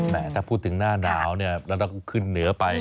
แต่ถ้าพูดถึงหน้าหนาวแล้วเราขึ้นเหนือไป